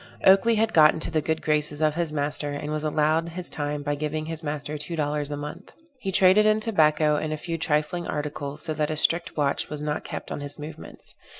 Oakley had got into the good graces of his master, and was allowed his time by giving his master two dollars a month. He traded in tobacco and a few trifling articles, so that a strict watch was not kept on his movements.